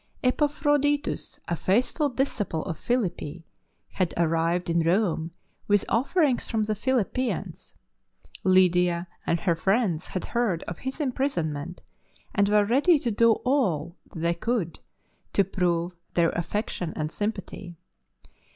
Epaphroditus, a faithful disciple of Philippi, THE MARTYR'S CROWN 119 had arrived in Rome with offerings from the Phhippians. Lydia and her friends had heard of his imprisonment, and were ready to do all that they could to prove their affection and sympathy.